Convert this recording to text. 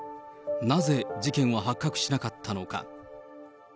なぜ、事件は発覚しなかったのか。